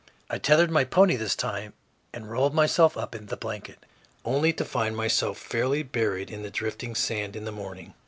I tethered my pony this time, and rolled myself up in the blanket, only to find myself fairly buried in the drifting sand in the morning.